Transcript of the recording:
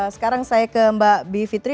sekarang saya ke mbak b fitri